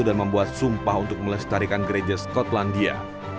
dan membuat sumpah untuk melestarikan gereja skotlandia